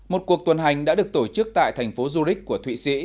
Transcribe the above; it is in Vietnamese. một cuộc tuần hành đã được tổ chức tại thành phố zurich của thụy sĩ